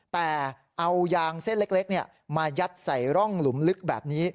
แต่เอายางเส้นเล็กมายัดใส่ร่องหลุมลึกแบบนี้